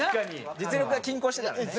実力が均衡してたらね。